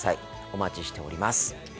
お待ちしております。